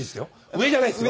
上じゃないですよ。